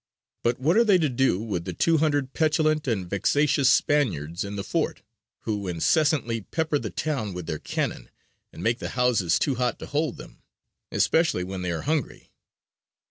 "But what are they to do with the two hundred petulant and vexatious Spaniards in the fort, who incessantly pepper the town with their cannon, and make the houses too hot to hold them; especially when they are hungry?